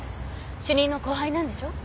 主任の後輩なんでしょう？